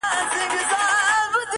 زما لېونۍ و ماته ښه خبر اکثر نه کوي،